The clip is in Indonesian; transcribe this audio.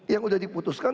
yang sudah diputuskan